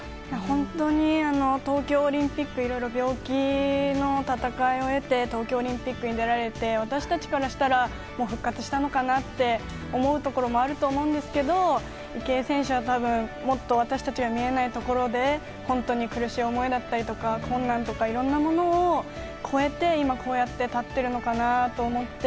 本当に東京オリンピック病気の闘いを経て東京オリンピックに出られて私たちからしたらもう復活したのかなって思うところもあるかと思いますけど池江選手はもっと私たちが見えないところで本当に苦しい思いだったりとか困難とかいろんなものを越えて今、こうやって立っているのかなと思って。